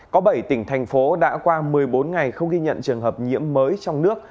có bảy tỉnh thành phố đã qua một mươi bốn ngày không ghi nhận trường hợp nhiễm mới trong nước